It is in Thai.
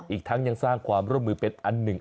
อีกทั้งยังสร้างความร่วมมือเป็นอันหนึ่ง